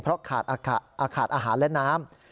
เพราะขาดอาหารและน้ำ